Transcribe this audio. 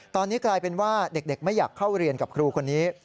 ตอนนี้กลายเป็นว่าเด็กไม่อยากเข้าเรียนกับครูคนนี้